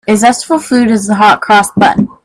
A zestful food is the hot-cross bun.